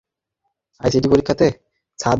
এ নিয়ে এলাকায় মাইকিং ও থানায় জিডিও করা হয়।